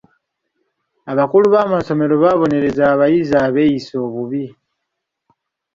Abakulu b'amasomero baabonereza abayizi abeeyisa obubi.